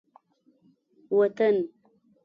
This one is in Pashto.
وطن